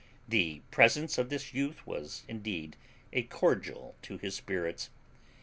The presence of this youth was indeed a cordial to his spirits.